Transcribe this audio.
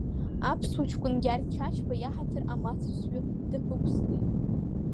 Аԥсуа ҷкәын Гьаргь Чачба иаҳаҭыр амацасҩы даԥықәслеит.